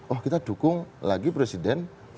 oh kita dukung lagi presiden